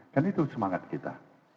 kan itu semangat kita